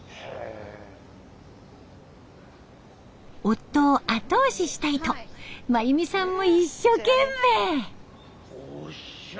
夫を後押ししたいと真由美さんも一所懸命。